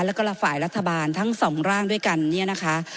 และฝ่ายรัฐบาลทั้ง๒ร่างด้วยกัน